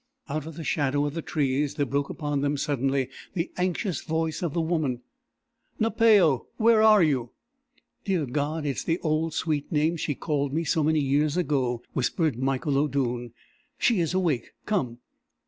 Out of the shadow of the trees there broke upon them suddenly the anxious voice of the woman. "Napao! where are you?" "Dear God, it is the old, sweet name she called me so many years ago," whispered Michael O'Doone. "She is awake. Come!"